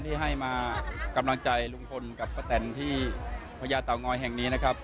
ที่ให้มากำลังใจลุงพลกับป้าแตนที่พญาเตางอยแห่งนี้นะครับ